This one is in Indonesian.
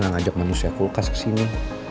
ngajak manusia kulkas kesini